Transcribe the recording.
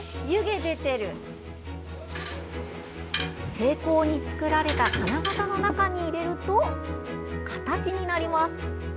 精巧に作られた金型の中に入れると形になります。